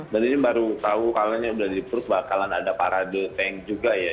dan ini baru tau kalau udah di proof bakalan ada parade tank juga ya